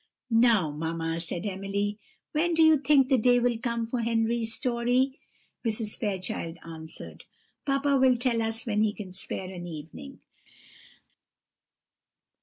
"Now, mamma," said Emily, "when do you think the day will come for Henry's story?" Mrs. Fairchild answered: "Papa will tell us when he can spare an evening."